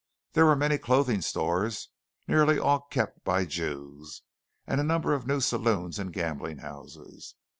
There were many clothing stores, nearly all kept by Jews, and a number of new saloons and gambling houses.